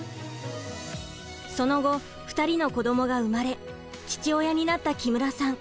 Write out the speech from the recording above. その後２人の子どもが生まれ父親になった木村さん。